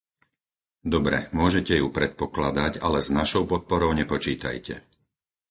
Dobre, môžete ju predpokladať, ale s našou podporou nepočítajte!